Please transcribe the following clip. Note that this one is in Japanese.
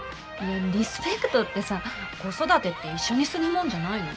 リスペクトってさ子育てって一緒にするもんじゃないの？